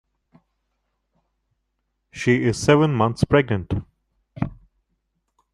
She is seven months pregnant.